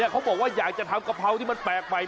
เขาบอกว่าอยากจะทำกะเพราที่มันแปลกใหม่